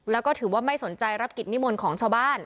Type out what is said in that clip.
แล้วก็ถือว่าไม่สนใจรับกิจนิมนต์ของชาวบ้าน